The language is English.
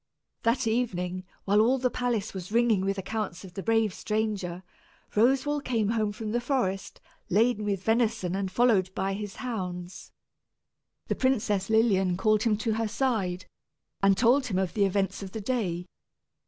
That evening, while all the palace was ringing with accounts of the brave stranger, Roswal came home from the forest, laden with venison and followed by his hounds. The Princess Lilian called him to her side, and told him of the events of the day.